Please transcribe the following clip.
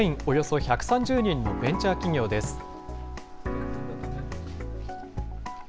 およそ１３０人のベンチャー企業です。